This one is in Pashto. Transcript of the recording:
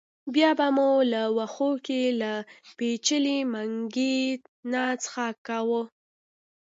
بیا به مو له وښو کې له پېچلي منګي نه څښاک کاوه.